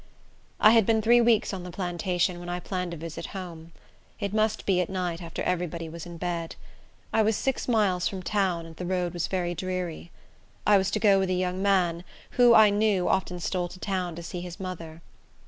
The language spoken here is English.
I had been three weeks on the plantation, when I planned a visit home. It must be at night, after every body was in bed. I was six miles from town, and the road was very dreary. I was to go with a young man, who, I knew, often stole to town to see his mother.